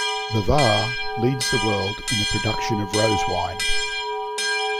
The Var leads the world in the production of rose wine.